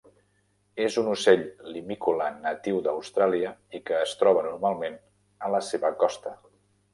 És un ocell limícola natiu d'Austràlia i que es troba normalment a la seva costa.